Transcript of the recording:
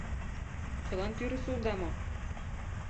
Чылан тӱрыс улда мо?